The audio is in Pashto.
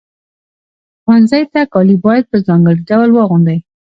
ښوونځي ته کالي باید په ځانګړي ډول واغوندئ.